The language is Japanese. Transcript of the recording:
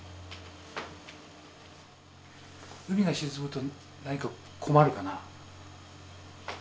海が沈むと何か困るかな？